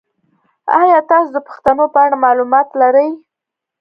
ایا تاسو د پښتنو په اړه معلومات لرئ؟